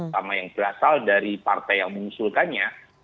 sama yang berasal dari partai yang mengusulkannya